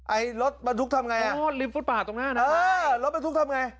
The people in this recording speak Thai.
ไอ้รถบรรทุกทำไงอ๋อลิฟต์ปากตรงหน้านะเออรถบรรทุกทำไง